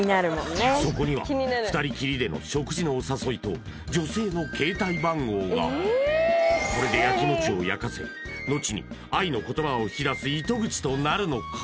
そこには２人きりでの食事のお誘いと女性の携帯番号がこれでヤキモチをやかせのちに愛の言葉を引き出す糸口となるのか？